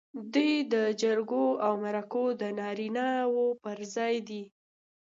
دوی د جرګو او مرکو د نارینه و پر ځای دي.